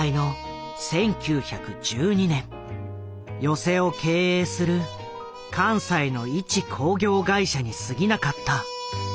寄席を経営する関西の一興業会社にすぎなかった。